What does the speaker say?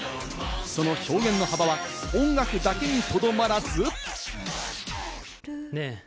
その表現の幅は音楽だけにとどまらず。ねぇ？